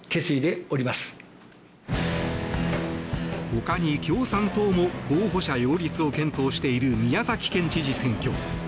他に共産党も候補者擁立を検討している宮崎県知事選挙。